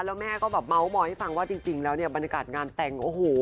แล้วแม่ก็แบบเมาส์มอยให้ฟังว่าจริงแล้วเนี่ยบรรยากาศงานแต่งโอ้โห